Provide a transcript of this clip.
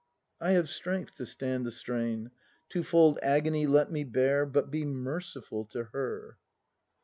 I have strength to stand the strain. Twofold agony let me bear, — But be merciful to her!